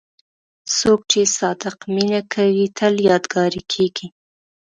څوک چې صادق مینه کوي، تل یادګاري کېږي.